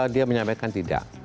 dia menyampaikan tidak